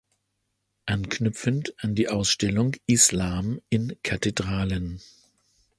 Anknüpfend an die Ausstellung "Islam in Kathedralen.